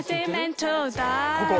ここ！